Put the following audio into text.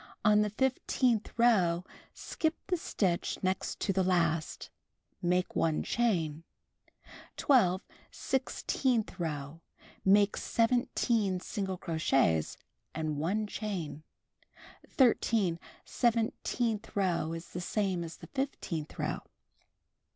On the fifteenth row, skip the stitch next to the last. Make 1 chain. 12. Sixteenth row: Make 17 single crochets and 1 chain. 13. Seventeenth row is the same as the fifteenth row.